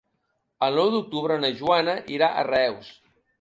El nou d'octubre na Joana irà a Reus.